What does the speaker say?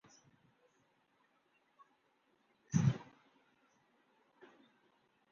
عالمی بینک پاکستان بھارت بی تنازعہ حل کرنے میں کردار ادا کرے وزیراعظم